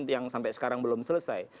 yang sampai sekarang belum selesai